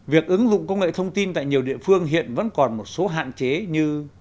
việc ứng dụng công nghệ thông tin tại nhiều địa phương hiện vẫn còn một số hạn chế như